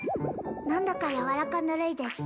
何だかやわらかぬるいです